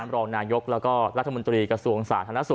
รองนายกแล้วก็รัฐมนตรีกระทรวงสาธารณสุข